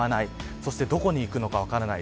そしてどこに行くのか分からない